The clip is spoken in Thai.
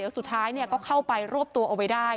สุดท้ายก็เข้าไปรวบตัวเอาไว้ได้